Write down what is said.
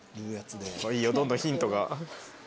いいよどんどんヒントが。